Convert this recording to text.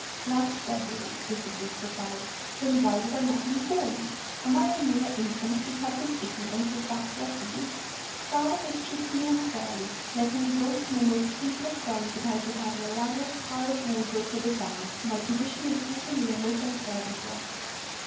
"Last February," was the brief reply. "Then why was I not informed? Am I a mere infant to be kept in ignorance of facts like these? Father has treated me unfairly, letting me boast to my most intimate friends that I could have an elaborate Paris wardrobe for the summer. My position is certainly a most unpleasant one."